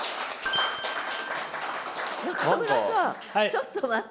ちょっと待って。